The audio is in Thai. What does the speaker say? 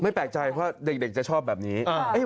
แปลกใจเพราะเด็กจะชอบแบบนี้